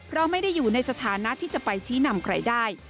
เราไม่ได้อยู่ในสถานะที่จะไปชี้นำใครได้